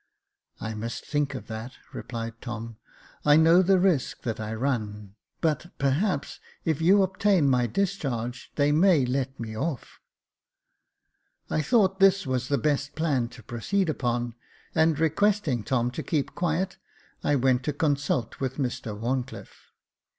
" I must think of that," replied Tom ;" I know the risk that I run ; but, perhaps, if you obtain my discharge, they may let me off." I thought this was the best plan to proceed upon, and requesting Tom to keep quiet, I went to consult with Mr WharnclifFe.